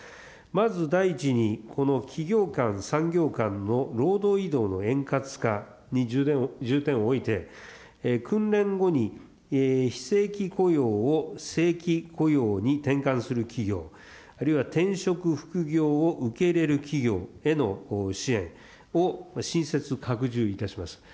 まず第一に、この企業間、産業間の労働移動の円滑化に重点を置いて、訓練後に非正規雇用を正規雇用に転換する企業、あるいは転職、副業を受け入れる企業への支援を、新設、拡充いたします。